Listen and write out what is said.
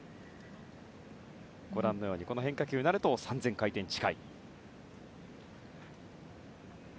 ご覧のように変化球になると３０００回転近い。